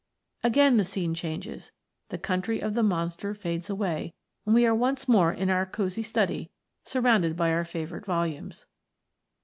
Again the scene changes the country of the monster fades away, and we are once more in our cosy study, surrounded by our favourite volumes.